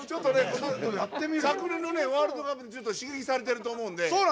昨年のワールドカップで刺激されてると思うので。